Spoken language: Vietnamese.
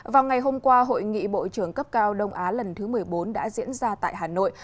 vào ngày hôm qua hội nghị bộ trưởng cấp cao đông á lần thứ một mươi bốn đã diễn ra tại hà nội